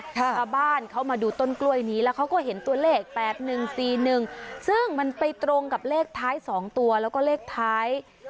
ชาวบ้านเขามาดูต้นกล้วยนี้แล้วเขาก็เห็นตัวเลข๘๑๔๑ซึ่งมันไปตรงกับเลขท้าย๒ตัวแล้วก็เลขท้าย